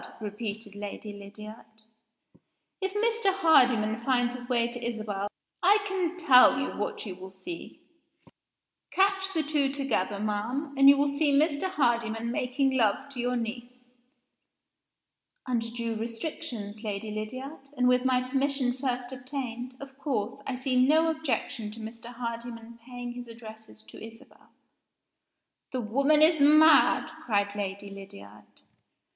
_" repeated Lady Lydiard. "If Mr. Hardyman finds his way to Isabel I can tell you what you will see. Catch the two together, ma'am and you will see Mr. Hardyman making love to your niece." "Under due restrictions, Lady Lydiard, and with my permission first obtained, of course, I see no objection to Mr. Hardyman paying his addresses to Isabel." "The woman is mad!" cried Lady Lydiard.